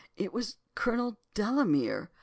It was Colonel Delamere!